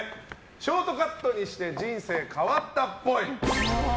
ショートカットにして人生変わったっぽい。